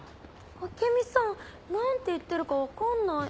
明美さん何て言ってるか分かんない。